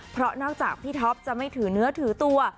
เพราะนอกจากพี่ท็อปจะไม่ถือเนื้อถือตัว